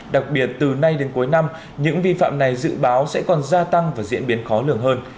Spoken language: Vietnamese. đặc biệt từ nay đến cuối năm những vi phạm này dự báo sẽ còn gia tăng và diễn biến khó lường hơn